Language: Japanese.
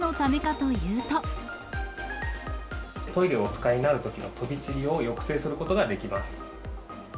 トイレをお使いになるときの飛び散りを抑制することができます。